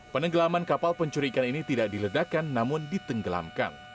penenggalaman kapal pencurian ikan ini tidak diledakan namun ditenggelamkan